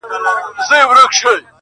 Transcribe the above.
o پر پچه وختی، کشمير ئې وليدی!